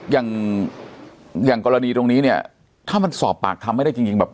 อย่างอย่างกรณีตรงนี้เนี่ยถ้ามันสอบปากคำไม่ได้จริงแบบ